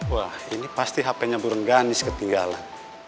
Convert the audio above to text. wah ini pasti hp nya burung ganis ketinggalan